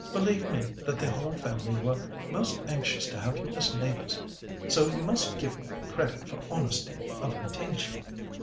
"Believe me that the whole family were most anxious to have you as neighbours. So you must give me credit for honesty of intention."